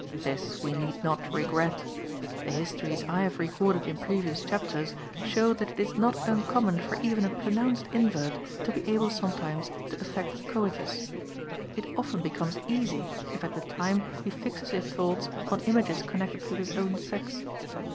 This we need not regret. The histories I have recorded in previous chapters show that it is not uncommon for even a pronounced invert to be able sometimes to effect coitus. It often becomes easy if at the time he fixes his thoughts on images connected with his own sex.